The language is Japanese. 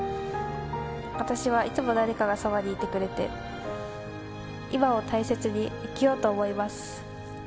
私はいつも誰かがそばにいてくれて、今を大切に生きようと思います。